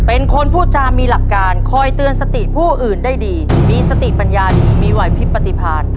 เป็นคนพูดจามีหลักการคอยเตือนสติผู้อื่นได้ดีมีสติปัญญาดีมีไหวพิษปฏิผ่าน